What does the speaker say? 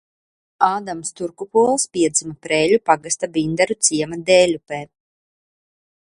Ādams Turkupols piedzima Preiļu pagasta Bindaru ciema Dēļupē.